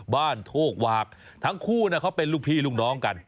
โคกหวากทั้งคู่เขาเป็นลูกพี่ลูกน้องกัน